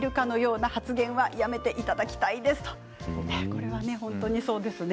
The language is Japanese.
これは本当にそうですね。